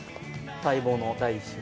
待望の第１子が。